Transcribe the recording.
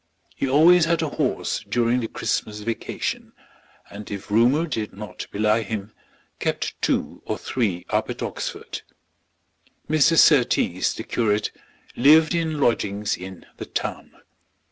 He always had a horse during the Christmas vacation, and if rumour did not belie him, kept two or three up at Oxford. Mr. Surtees, the curate, lived in lodgings in the town.